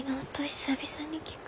久々に聞く。